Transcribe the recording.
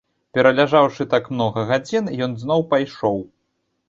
Пераляжаўшы так многа гадзін, ён зноў пайшоў.